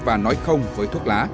và nói không với thuốc lá